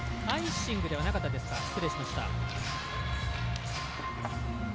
アイシングではなかったですか。